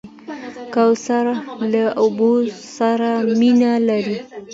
کوتره له اوبو سره مینه لري.